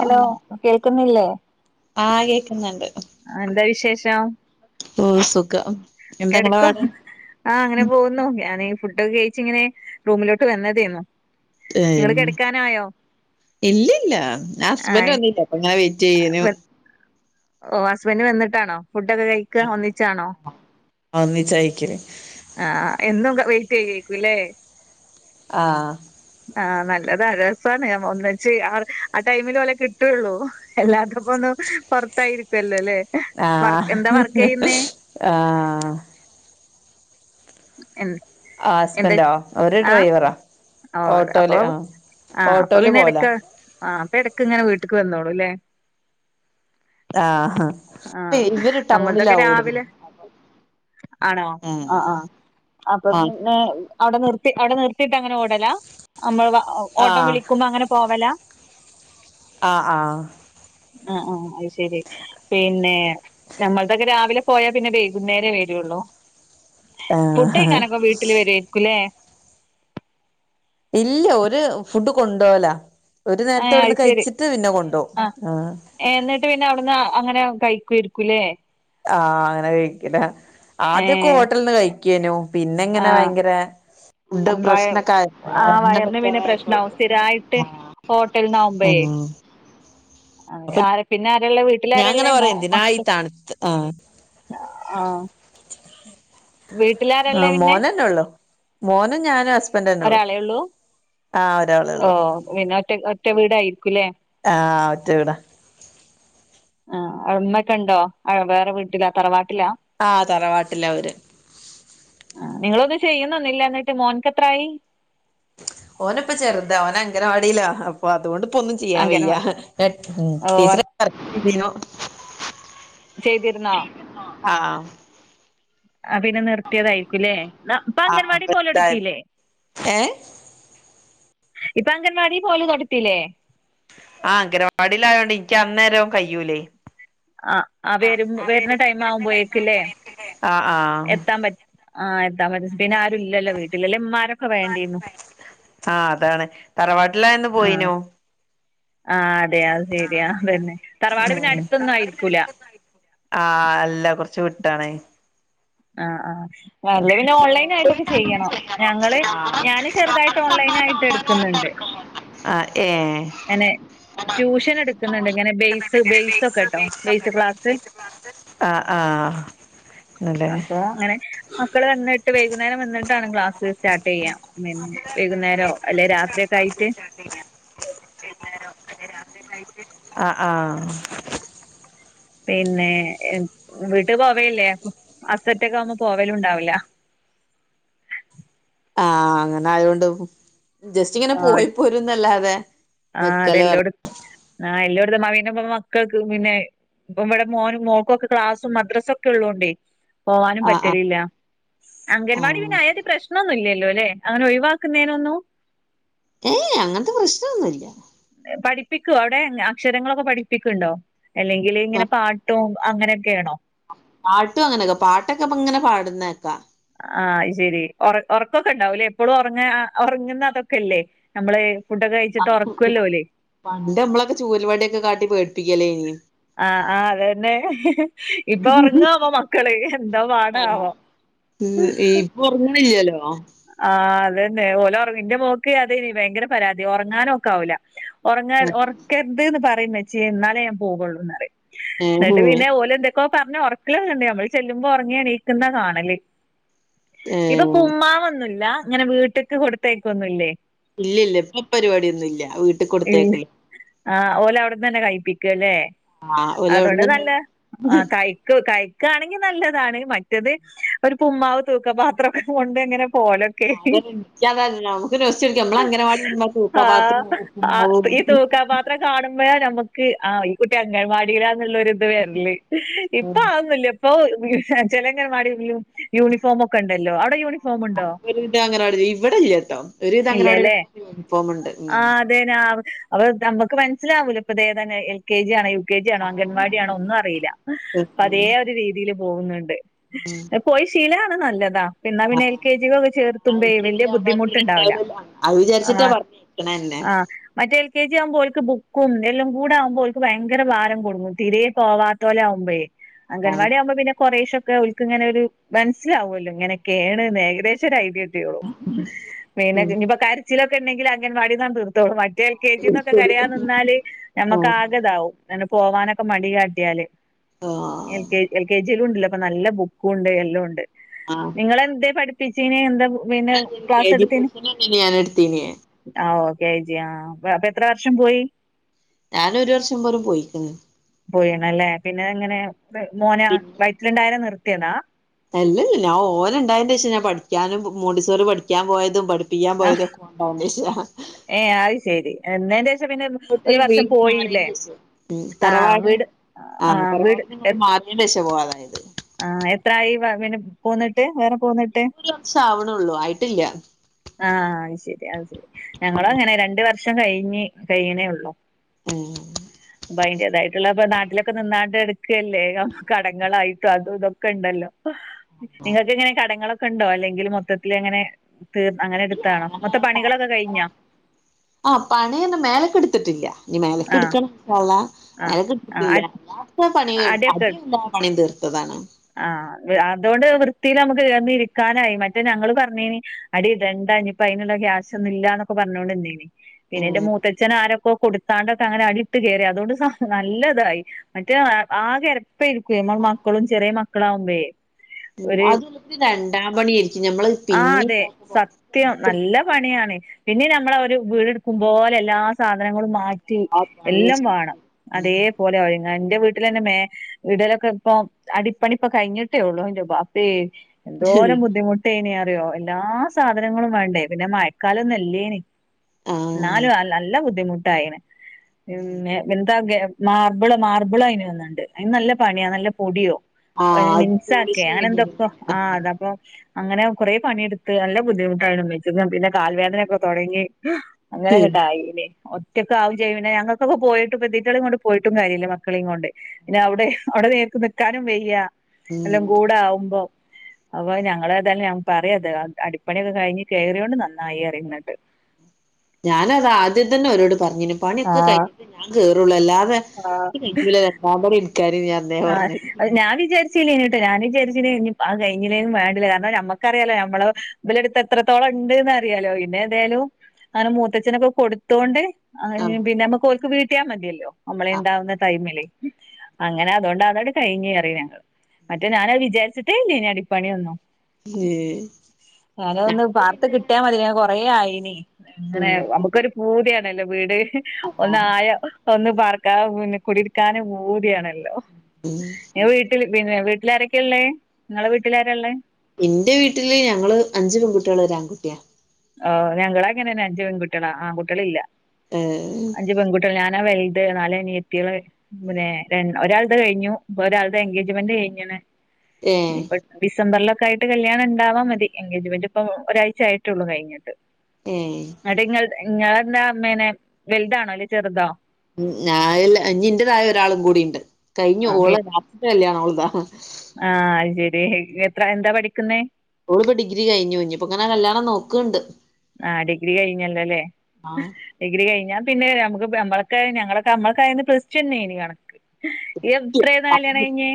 Hello കേൾക്കുന്നില്ലേ ആഹ് കേക്കുന്നുണ്ട് എന്താ വിശേഷം ഓ സുഖം എന്താ ഇങ്ങളെ കിടക്കും പാട് ആഹ അങ്ങനെ പോകുന്നു ഞാനീ ഫുഡൊക്കെ കഴിച്ചിങ്ങനെ റൂമിലോട്ട് വന്നതായിരുന്നു. നിങ്ങൾ കെടുക്കാനായോ? ഇല്ലഇല്ല ഞ ഹസ്ബൻറ് വന്നിട്ടല്ല അപ്പൊ ഞാൻ വെയിറ്റ് ചെയ്യനു. ഓ ഹസ്ബന്റ്‌ വന്നിട്ടാണോ ഫുഡൊക്കെ കഴിക്ക ഒന്നിച്ചാണോ? അ ഒന്നിചായിക്കില്. ആഹ എന്നും വെയിറ്റ് ചെയ്ക്കൂല്ലേ? ആഹ.. ആഹ നല്ലത രസമാണ് ഞ ഒന്നിച്ച് ആ ആ ടൈമിൽഒലെ കിട്ടുള്ളൂ. എല്ലാത്തപ്പന്നും പുറത്തായിരിക്കല്ലോ അല്ലേ വർക്ക് ആഹ എന്താ വർക്ക് ചെയ്യുന്നേ ആഹ എൻ ഹസ്ബൻന്റെഓ ഒരു ഡ്രൈവറാ ഓ അതെ അപ്പൊ ഓട്ടോല് ആഹ് ആഹ് അപ്പൊ ഓട്ടോല് പിന്നെ പോവലാ ഇടക്ക് ആ അപ്പൊ ഇടക്ക് ഇങ്ങനെ വീട്ടക്ക് വന്നോളു ഒല്ലേ ആഹ് ആഹ ഇവര് നമ്മളതൊക്കെ ടൗണിലാ ഓടുന്നെ രാവിലെ ആണോ ഉം ആഹ ആഹ അപ്പൊ ആഹ് പിന്നെ അവിടെ നിർത്തി അവിടെ നിർത്തിട്ട് അങ്ങനെ ഓടാല നമ്മളെ ഓ ഓട്ടം ആഹ് വിളിക്കുമ്പോ അങ്ങനെ പോവല. ആഹ ആഹ ആ ആ അത് ശെരി പിന്നെ നമ്മൾതൊക്കെ രാവിലെ പോയാൽ പിന്നെ വൈകുന്നേരം വരുള്ള ള്ളോ ആഹ ഹ വരുവായിരിക്കുംല്ലേ ഇല്ല ഒരു ഫുഡ് കൊണ്ടോകലാ ഒരു നേരത്തെ ഏഹ് അത് ഇവിടുന്ന് ശരി കഴിച്ചിട്ട്.. പിന്നെ കൊണ്ടോവും ആഹ് എന്നിട്ട് പിന്നെ അവിടുന്ന് അങ്ങനെ അവൻ കഴിക്കുവായിരിക്കൂലേ ആഹ് അങ്ങനെ കഴിക്കലാ.. ആദ്യൊക്കെ ഏഹ് ഹോട്ടൽന്ന് കഴിക്കേനു.. പിന്നെങ്ങെനെ ആഹ് ഭയങ്കരാ.... ഫുഡ് വയ പ്രശ്നൊക്കയി ആഹ് വയറിന് പറ്റാതായപ്പോ ഹോട്ടൽന്നാവുമ്പോഴേ ഉം അപ്പൊ പിന്നെ ആരാ ഇല്ലേ വീട്ടിൽ ഞാൻ ആരാ ഇല്ലേ ഇങ്ങനെ പറയും എന്തിനാ ഈ മക്കൾ തണുത്ത് ആഹ് ആഹ് ആ വീട്ടിലാരള്ളേ പിന്നെ മോനന്നെ ഉള്ളു.. മോനും ഞാനും ഹസ് ഒരാളെ ഉള്ളൂ.. ഒരാളെ ഓ ഉള്ളു പിന്നെ ഒറ്റ ഒറ്റ വീടായിരിക്കൂല്ലേ. ആഹ് ഒറ്റ വീടാ ആ ഉമ്മക്കണ്ടോ വേറെ വീട്ടിലാ തറവാട്ട് ആഹ് തറവാട്ടിലാ അവര് നിങ്ങളൊന്നും ചെയ്യുന്നൊന്നില്ലന്നിട്ട് മോൻകെത്രായി... ഓനിപ്പ ചെറുതാ.. ഓന് അംഗനവാടിലാ... അപ്പൊ അതൊണ്ട് ഇപ്പൊന്നും ചെയ്യാൻ അങ്കന വയ്യഹ്.. ഓ ടീച്ചറായി വർക്ക് വർക്കയ്തീനു. ചെയ്തിരുന്നോ... ആഹ് ആ പിന്നെ നിർത്തിയതായിരിക്കുല്ലേ.. ഇപ്പൊ അംഗൻവാടി പോല് തുടങ്ങില്ലേ.. ന്ത്‌ ഇപ്പൊ അംഗൻവാടി പോലും തൊടത്തില്ലേ.... നിക്ക് അന്നേരം കയ്യൂലേ... ആ ആ വരുമ് വരുന്ന ടൈം ആകുമ്പോയേക്കല്ലേ.... ആഹ് ആഹ് എത്താൻ പറ്റ് ആ എത്താൻ പറ്റില്ലല്ലേ പിന്നെ ആരുല്ലല്ലോ വീട്ടിലല്ലെ പിന്നെ മ്മാ ആ അതാണ്... തറവാട്ടിലായന്ന് പോയിനു ആഹ്.. അതെ.. അത് ശെരിയാ.. അതന്നെ.. തറവാട് പിന്നെ അടുത്തൊന്നും ആയിരിക്കൂല.. ആഹ്.. അല്ല.. കൊറച്ച് വിട്ടാണേ.. ആഹ് ആഹ് അല്ലെപിന്നെ ഓൺലൈനായിട്ടൊക്കെ ചെയ്യണം.. ഞങ്ങള് ഞാന് ചെറുതായിട്ട് ഓൺലൈൻ ആയിട്ട് എടുക്കുന്നുണ് ഇണ്ട് ആഹ് ഏഹ്..... ട്യൂഷൻ എടുക്കുന്നുണ്ട് ഇങ്ങനെ ബേസ് ബേസ് ഒക്കെ ട്ടോ ബേസ് ക്ലാസ് [unintelligible] ആഹ്.. ആ ആഹ്.. ആണല്ലേ അപ്പോങ്ങനെ.... അ മക്കൾ വന്നിട്ട് വൈകുന്നേരം വന്നിട്ടാണ് ക്ലാസ് സ്റ്റാർട്ട് ചെയ്യാ... വൈകുന്നേരോ അല്ലെ രാത്രിയൊക്കെ ആയിട്ട്... ട്ട [inaudible] ആ... ആ.. പിന്നേ.. വീട്ട് പോവല്ലേ? അപ്പം ഹസൊറ്റക്കവുമ്പോ പോവലും ഉണ്ടാവൂല.... ആ... അങ്ങനെ ആയോണ്ട് ജസ്റ്റ് ഇങ്ങനെ ആ പോയി പോരൂന്നല്ലാതെ... അ ആഹ്.. അതെല്ലോട്ത്.. ആ എല്ലോട്ത്തും അയ്നിപ്പോ മക്കൾക്ക് പിന്നെ... ഇപ്പ ഇവിട മോനും മോക്കൊക്കേ ക്ലാസും മദ്രസൊക്കെള്ളോണ്ടേ... പോവാനും ആഹ് ആഹ് പറ്റലില്ല.. അംഗൻവാടി ആഹ് പിന്നെ അയാധി പ്രശ്നൊന്നുംല്യാ... ല്ലെ.. അങ്ങനെ ഒഴിവാക്കുന്നേനൊന്നു? ഏയ്.. അങ്ങൻത്ത പ്രശ്നൊന്നുല്യാ. പഠിപ്പിക്കോ അവിടെ.. അക്ഷരങ്ങളൊക്കെ പഠിപ്പിക്ക്ണ്ടോ അല്ലെങ്കിൽ ഇങ്ങനെ പാട്ടും അങ്ങനെയൊക്കെണോ? പാട്ടും അങ്ങനെയൊക്കെ.. പാട്ടൊക്കെ ഇങ്ങനെ പാടുന്നേക്കാ.... ആഹ്... അയ്ശരി.. ഉറക്കൊക്കെ ഉണ്ടാവൂലേ എപ്പളും ഉറങ്ങ.. ഉറങ്ങുന്നതൊക്കെല്ലേ? നമ്മള്... ഫുഡൊക്കെ കഴിച്ചിട്ട് [inaudible] ഒറക്കുവല്ലോ ഓല് പണ്ട് നമ്മളൊക്കെ ചൂൽവടിയൊക്കെ കാട്ടി പേടിപ്പിക്കലേഞ്ഞി... ആഹ് ആ അതന്നെ ഇപ്പൊ ഉറങ്ങാവുമോ മക്കള് എന്തോ പാടാവോ? ഉ ഇപ്പൊ ഉറങ്ങണില്ലല്ലോ ആഹ് അതന്നെ ഓല ഓർങ്ങ് ഇന്റെ മോക്ക് അതെയ്ഞീ ഭയങ്കര പരാതി ഒറങ്ങാന് ഓക്കാവൂല ഉറങ്ങാ ഉറക്കരുതന്ന് പറയ് മ്മച്യേ എന്നാലേ ഞാൻ പോകുള്ളൂന്നറിയും ഏഹ് എന്നിട്ട് പിന്നെ ഓലെ എന്തൊ ഇപ്പോ പറഞ്ഞ് ഉറക്കലണ്ട് അമ്മൾ ചെല്ലുമ്പോ ഉറങ്ങിയണീക്കുന്ന കാണല് ഇപ്പ ഏഹ് പുമ്മാവൊന്നുല്ല? ഇങ്ങനെ വീട്ട്ക്ക് കൊടുത്തേക്കൊന്നുല്ലേ? ഇല്ല ഇല്ല ഇപ്പൊ പരിപാടിയൊന്നുംല്ല വീട്ടികൊടുത്തേക്കല്ലോ ആ ഓലെ അവിടന്ന് തന്നെ കഴപ്പിക്കല്ലേ ആഹ് ഓല് അതുകൊണ്ട് അവിടുന്ന് നല്ല ആ കഴ്‌ക്കൊ കൈ ക്കാണെങ്കിൽ നല്ലതാണ് മറ്റത് ഒരു പുമ്മാവ് തൂക്ക പാത്രംക്കെ കൊണ്ട് ഇങ്ങനെ പോലൊക്കെ അതന്നെ എനിക്കതല്ല നമുക്ക് റസ്റ്റ് എടുക്കാം നമ്മള് അംഗനവാടി വിടുമ്പോ ആ തൂക്കാപാത്രം ആ ഉപ്പുമാവും ഈ തൂക്ക പാത്ര കാണുമ്പയാഞമ്മ ക്ക് ആ ഈ കുട്ടി അങ്ങൻവാടില്ലന്ള്ള ഇത് വെര്ല്ല് ഇപ്പൊ ആഒന്നുല്ല ഇപ്പൊ ചെലങ്കൻവാടിയലു യൂണിഫോമക്കെണ്ടല്ലോ അവിടെ യൂണിഫോം അ ഇണ്ടോ ഇപൊര് വിധ അങ്ങനവാടി ഇവിടെല്ല്യട്ടൊ ഒരുവിധ ഇല്ലല്ലേ അങ്ങനവാടിലൊക്കെ യൂണിഫോമിണ്ട് ഉം അപ്പ നമുക്ക് മനസ്സിലാവൂല ഇപ്പതേതന്നെ എൽ കെ ജി ആണ് യൂ കെ ജി ആണോ ഉം അംഗൻവാടിയാണോ ഒന്നും അറിയില്ല അപ്പൊ അതേ ആഹ് ഒരു രീതീല് പോകുന്നുണ്ട്. പോയി ശീലാവണ നല്ലതാ പിന്നെ പി എൽ കേ ജി കൊക്കെ ചേർത്തുമ്പേ എൽ കെ ജി വെല്യ ആവുമ്പോ തീരെ ബുദ്ധിമുട്ട്ണ്ടവ് ലാ ഉണ്ടാവില്ലല്ലോ അത് ആ വിചാരിച്ചിട്ടാ പറഞ്ഞയക്കണന്നെ ആ മറ്റേ എൽ കെി ആവുമ്പോൽക്ക് ബു കും എല്ലുകൂടെ ആകുമ്പോ ഓല്ക്ക് ഭയങ്കര ഭാരം കുടുങ്ങു തീരേ പോവാതോലാമ്പോയേ അതാണ് അംഗൻവാടി ആകുമ്പോൾ പിന്നെ കൊറേശൊക്കെ ഓല്ക്ക് ഇങ്ങനെ ഒരു മൻസ്സിലാവുല്ലോ ഇങ്ങനെ ക്കേണ്ന്ന് ഏ ഏദേശം ഒരു ഐഡിയ കിട്ടിയുള്ളൂ പിന്നെ ഇഞ്ഞിപ്പ കരച്ചിലൊക്കെണ്ടെങ്കിൽ അങ്ങൻവാടിന്നാണ് തീർത്തോളൂ. എൽ കെ ജി ന്നൊക്കെ കരയാ നിന്നാല് ഞമ്മക്ക് ആകെതാവും ങ്ങനെ പോവാനൊക്കെ മടി കാട്ടിയാല് ആഹ് L K L K G യിലും ഉണ്ടല്ലോ ഇപ്പൊ നല്ല ബുക്കും ഉണ്ട് എല്ലുണ്ട് ആഹ് നിങ്ങളെന്തേ പഠിപ്പിചിന് എന്താ പിന്നെ ഞാൻ കെ ക്ലാസ് ജി എടുത്തന് സെക്ഷനന്നെനി ഞാൻ എടുത്തീനെ ആ ഓ കേ ജി ആ അപ്പൊ എത്ര വർഷം പോയി? ഞാന് ഒരു വർഷം പോലും പോയിക്കുണ് പോയിണല്ലേ പിന്നെ ഇങ്ങനെ മോന വൈറ്റിലുണ്ടായിരണം നിർത്തിയതാ അല്ലല്ല ഞാൻ ഓന ഉണ്ടായന്റെ ശേഷം ഞാൻ പഠിക്കാനും മോന്റീസൊറി പഠിക്കാൻ പോയതും പഠി പ്പിക്കാൻ ആഹ് പോയത്ക്ക മോൻണ്ടായ ശേഷ എന്തെ [unintelligible] പിന്നെ ഒരു വർഷം പോയില്ലേ മാറിയേന്റേഷം ഉം ആ തറവാട് വീട് ആ വീട് ശേഷാ പോ ആഹ് എത്രായി വ- പിന്നെ പോന്നിട്ട് വേറെ പോന്നിട്ട് ഒരു വർഷം ആവണള്ളൂ ആയിട്ടില്ല ആഹ് അത് ശരി അത് ശരി ഞങ്ങളു ഉം അങ്ങനെ രണ്ട് വർഷം കഴിഞ്ഞ് കഴിയണേ ഉള്ളൂ ഉം അതിന്റതായിട്ടുള്ള ഇപ്പ നാട്ടിലൊക്കെ നിന്നാട്ട എടുക്കയല്ലേ കടങ്ങളായിട്ടും അതും ഇതൊക്കെ ഇണ്ടല്ലോ നിങ്ങൾക്ക് ഇങ്ങനെ കടങ്ങളൊക്കെ ഉണ്ടോ അല്ലെങ്കിൽ മൊത്തത്തിലെങ്ങനെ കഴിഞ്ഞോ ആഹ് പണിഒന്നും മേലക്കെ എടുത്തിട്ടില്ല ഇനി മേലക്ക് ആ എടുക്കണ ഇന്ഷാ അല്ലാഹ് ആഹ് മേലേക്കെടുത്തിട്ടില്ല ആഹ് അല്ലാത്ത പണി അടിയൊക്കെ [unintelligible] തീർത്തതാണ് ആഹ് അതുകൊണ്ട് വൃത്തിൽ നമുക്ക് ർന്ന ഇരിക്കാനായി മറ്റേ ഞങ്ങള് പറഞ്ഞേന് അടിടണ്ടനിപ്പ അതിനുള്ള ക്യാഷ് ഒന്നും ഇല്ലന്നൊക്കെ പറഞ്ഞോണ്ട് ഇന്തേനി പിന്നെ ഉം എന്റെ മൂത്തച്ഛനൻ ആരൊക്കെ കൊടു താണ്ടൊക്കെ അങ്ങനെ അടിയിട്ട് കയറി അതുകൊണ്ട് നല്ലതായി മറ്റേ ആകെ എരപ്പയിരിക്കൂ നമ്മൾ മക്കളും ചെറിയ മക്കളാവുമ്പേ ഉ ഉം ഒരു അതുവല്ല രണ്ടാം പണിയ ആയിരിക്കും ഞമ്മള് ആ പിന്നെ അതെ ഇതാക പുറത്ത് സത്യം നല്ല എടുത്തിട്ട് പണിയാണ് പിന്നെ നമ്മള ഒരു വീടെടുക്കും പോലെ എല്ലാ സാധനങ്ങളും മാറ്റി ആ പണിയും എല്ലാം വേണം ചെയ്യേണ്ടി വരും അതേപോലെ [unintelligible] എന്റെ വീട്ടിലെ തന്നെ മേല് ഇടലൊക്കെ ഇപ്പോം. അടിപ്പണിപ്പ കഴിഞ്ഞിട്ടേ ഉള്ളു ന്റെ ബാപ്പേ എന്തോരം ബുദ്ധിമുട്ടേന്യ. അതെയോ എല്ലാ സാധനങ്ങളും വേണ്ടേ പിന്നെ മഴക്കാലൊന്നുമല്യേനെ. ഉം ആ ന്നാലും [unintelligible] നല്ല ബുദ്ധിമുട്ടായേനെ ഉം [unintelligible] എന്ത [unintelligible] മാർബിള് മാർബിൾ അയിന് വന്നിണ്ട് അയിന് നല്ല പണിയാ നല്ല പൊടിയും. ആ [unintelligible] അത് പോളിഷ് മിൻസാക്കെയാ അയിന് ചെയ്യേണ്ടി ന്ത്‌ വരും ഇപ്പൊ അങ്ങനെ എന്തൊക്കോ ഇങ്ങനെ ആഹ് അതപ്പൊ. അങ്ങനെ കുറെേ പണിയെടുത്ത് നല്ല ബുദ്ധിമുട്ടായിരുന്നു [unintelligible] ഉമ്മച്ച പിന്നെ കാൽ വേദനയൊക്കെ തുടങ്ങി. [unintelligible] അങ്ങനെ ങ്ങട്ട ആയില്ലേ. റ്റൊക്കെ ആവും ചെയ്യും പിന്നെ ഞങ്ങൾക്കു പോയിട്ട് ഇപ്പൊ തീറ്റള കൊണ്ടും പോയിട്ടും കാര്യില്ല മക്കളെയും കൊണ്ടേ പിന്നെ ആ അവിടെ അവിടെ വേ ക്കാനും വയ്യ എല്ലാം ഉം കൂടെ ആവുമ്പൊ. അപ്പൊ ആ ഞങ്ങള് ഏതായാലും ഞ പറയാത് [unintelligible] അടിപ്പണിയൊക്കെ കഴിഞ്ഞ് കേറിയോണ്ട് നന്നായി. [unintelligible] ഞാന് അത് ആദ്യം തന്നെ അവരോട് പറഞ്ഞിനു പണിയൊക്കെ ആഹ് കഴിഞ്ഞിട്ടെ ഞാൻ കേറുള്ളു അല്ലാതെ. ആഹ് [unintelligible] അത രല്ലാ ഇനിക്കാര് ഞാൻ അന്നേ പറഞ്ഞ [inaudible] ശെരിയാണേട്ടാ ഞൻ [unintelligible] വിചാരിച്ച ആ [unintelligible] കഴഞ്ഞേും വേണ്ടില്ല കാരണം നമ്മുക്കറിയല്ലോ നമ്മള് ഇലെടുത്ത് എത്രത്തോളം ഉണ്ട്ന്ന് അറിയാലോ ഇന്നെതായാലും അങ്ങനെ മൂത്തച്ഛനൊക്കെ കൊടുത്തോണ്ട്. ആഹ് ആഹ്ഹ് പിന്നെ നമ്മുക്ക്ഓൾക്ക് വീട്ടിയാൻ മതിയല്ലോ നമ്മളെ ആഹ് ഉണ്ടാവുന്ന ടൈമില് അങ്ങനെ. അതുകൊണ്ട് അതട് കഴിഞ്ഞുകേറി ഞങ്ങൾ മറ്റേ ഞാനഅത് വിചാരിച്ചിട്ടേ ഇല്ല ഇനി അടിപ്പണി ഒന്നും. നേരെ ഒന്ന് ഞങ്ങള് പാർത്ത് പിന്നെ കിട്ടിയാ മതി. [unintelligible] കൊറെയായിനി അങ്ങനെ ഉം നമുക്കൊരു പൂതിയാണല്ലോ വീട് ഒന്ന് ആഹ് ആയ ഒന്ന്. പാർക്കാ പിന്നെ കുടിരിക്കാനും പൂതിയാണല്ലോ ഉം ഞ വീട്ടില്. പിന്നെ വീട്ടിലാരാക്കെ ഉള്ളേ നിങ്ങളെ വീട്ടിലാരള്ളേ. എന്റെ വീട്ടില് ഞങ്ങള് അഞ്ചു പെൺകുട്ടികള് ഒര് ആൺകുട്ടിയാ. ഓഹ് ഞങ്ങള് അങ്ങനന്നെ അഞ്ച് പെൺകുട്ടികള് ആൺകട്ടികള് ഇല്ല. ഏഹ്ഹ്. ഞാനാവലുത് നാല് അനിയത്തിള് പിന്നെ രണ്ട് ഒരാൾടെ കഴിഞ്ഞു ഒരാളുടെ എൻഗേജ്മെന്റ് കഴിഞ്ഞേനെ. ഏഹ് ഇനിപ്പൊ ഡിസംബറിലൊക്കെ ആയിട്ട് കല്യാണം ഉണ്ടവാ മതി എൻഗേജ്മെന്റ് ഇപ്പൊ ഒരാഴ്ച ആയി. മറ്റുളു കഴഞ്ഞിട്ട്. ഏഹ്. നിങ്ങൾ എന്താ അമ്മേനെ വെലുതാണോ അല്ലേ ചെറുതോ. ഉം ഞാഅല്ല ഇനി എന്റെതായ ഒരാളും കൂടി ഇണ്ട് കഴിഞ്ഞു ഓള് ആഫ്റ്റർ കല്യാണം ഓള്താ. ആഹ അത് ശരി എത്ര എന്താ പഠിക്കുന്നെ. ഓള് ഇപ്പോ ഡിഗ്രി കഴിഞ്ഞു ഇനീപ്പോങ്ങനെ കല്യാണം നോക്കുന്നുണ്ട്. ആ ഡിഗ്രി കഴിഞ്ഞല്ലോ അല്ലെ ആഹ് ഡിഗ്രി കഴിഞ്ഞാ. പിന്നെ നമുക്ക്മ്മള [unintelligible] ഞങ്ങള നമ്മൾ ഓക്കെ പ്ലസ്ടു കണക്ക്. എത്രെന്നാ കല്യാണം ഇപ്പ കഴിഞ്ഞെ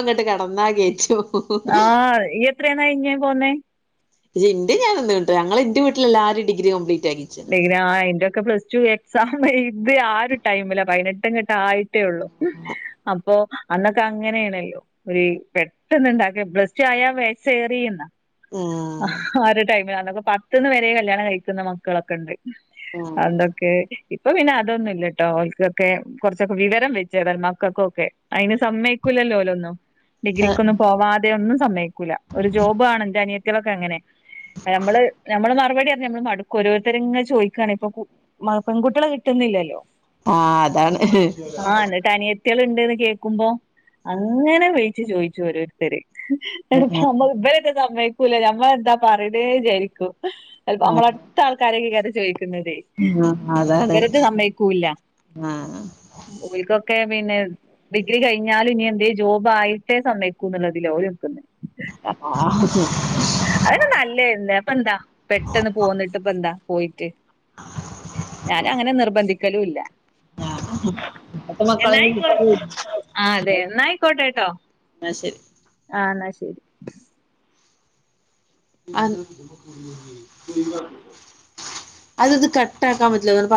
അങ്ങട്ട് കടന്നാ കേറ്റും ആഹാ. [unintelligible] എത്രന്ന് കഴിഞ്ഞേ പോന്നേ. [unintelligible] ഞാന കേട്ട ഞങ്ങള് [unintelligible] എന്റെ വീട്ടിൽ എല്ലാരും ഡിഗ്ര കംപ്ലീറ്റ് ആക്കിച്ചാണ് ഡിഗ്രി ആ എന്റെയൊക്കെ പ്ലസ് ടു എക്സാംമഹ്ഹ് എഴുതി ആ ഒരു ടൈമിലാ പതിനെട്ട് അങ്ങിട്ട് ആയി. ആയിട്ടേ ഉള്ളു ഹ് അപ്പോ. അന്നൊക്കെ അങ്ങനെയണല്ലോ ഒരു പെട്ടന്ന് ഇണ്ടാക്കിയ പ്ലസ്ടു ആയ [unintelligible] എന്നാ. അഹാ ആ ഒരു ടൈമിൽ അന്നൊക്കെ പത്തിന്ന് വരെ കല്യാണം കഴിക്കുന്ന മക്കളൊക്കെ ഉണ്ട്. ഉം അന്നൊക്കെ. ഇപ്പൊ പിന്നെ അതൊന്നും ഇല്ല ട്ടോ ഓൾക്കൊക്കെ കുറച്ചൊക്കെ വിവരം വെച്ച് മക്കൾക്ക ഒക്കെ അയിന്. സമ്മയക്കൂല്ലല്ലോ അല്ല ഒന്നും ഡിഗ്രിക്കൊന്നും പോവാതെ ഒന്നും സമ്മയ്ക്കൂല ഒരു ജോബ് ആണ് എന്റെ അനിയ [unintelligible] [unintelligible] അങ്ങനെ നമ്മള് നമ്മള് മാ [unintelligible] മറുപടി നമ്മള് മടുക്കും ഓരോരുത്തരും ഇങ്ങനെ ചോയിക്കാണ് ഇപ്പ പു മാ പെൺകുട്ടികളെ കിട്ടുന്നില്ലല്ലോ. ആഹാ അതാണ് ഹ്ഹ്ഹ്. കുട്ടികള് ഇണ്ട്ന്ന് കേക്കുമ്പോ അങ്ങനെ വിളിച്ചു ചോയ്ച്ചു ഓരോരുത്തര്. എടാ ആഹ് നമ്മള് ഇബരത് സമ്മക്കൂല ഞമ്മ എന്താ പറയേണ്ടെന്ന് വിചാരിക്കും. ചെലപ്പ നമ്മളടുത്ത ആൾക്കാരൊക്കെക്കു അത്‌ ചോദി ന്നതേ അതാണ് ഇവരത് സമ്മയ്ക്കൂല്ല. ആഹ് ഓൽക്കൊക്കെ പിന്നെ ഡിഗ്രി കഴിഞ്ഞാലും ഇനി എന്തേ ജോബ് ആയിട്ടേ സമ്മയ്ക്കും എന്നുള്ളതില ഓൽ നിക്കുന്ന്. ആ അത നല്ലന്നെ അപ്പ എന്താ പെട്ടെന്ന് പോന്നിട്ട് ഇപ്പ എന്താ പോയിട്ട്. ഞാനു അങ്ങനെ നിർബന്ധിക്കലും ഇല്ല. ഇപ്പത്തെ മക്കള് എന്നായിക്കോട്ടെ ആ അതെ എന്നായിക്കോട്ടെട്ടോ. ആഹ് ശരി. ആ എന്നാ ശരി. അ അതിത് കട്ടാക്കാൻ പറ്റില്ല കാർ